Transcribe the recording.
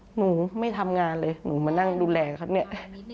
หนูไม่ทำงานเลยหนูมานั่งดูแลเขาเนี่ย